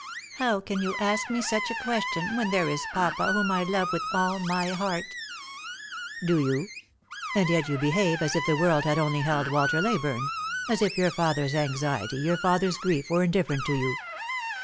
" How can you ask me such a question, when there is papa, whom I love with all my heart ?"" Do you ? And yet you behave as if the world had only held Walter Leyburne — as if your father's anxiety, your father's \$rief, were indifferent to you.